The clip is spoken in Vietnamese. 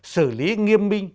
xử lý nghiêm minh